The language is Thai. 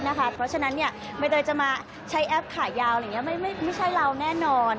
เพราะฉะนั้นไม่ได้จะมาใช้แอปขายาวไม่ใช่เราแน่นอน